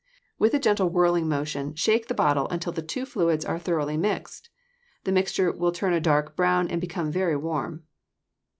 With a gentle whirling motion, shake the bottle until the two fluids are thoroughly mixed. The mixture will turn a dark brown and become very warm.